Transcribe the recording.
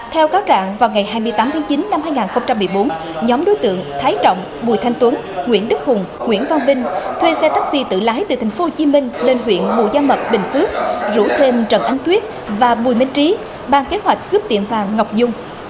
theo cáo trạng vào ngày hai mươi tám tháng chín năm hai nghìn một mươi bốn nhóm đối tượng thái trọng bùi thanh tuấn nguyễn đức hùng nguyễn văn binh thuê xe taxi tự lái từ tp hcm lên huyện bù gia mập bình phước rủ thêm trần ánh tuyết và bùi minh trí bàn kế hoạch cướp tiệm vàng ngọc dung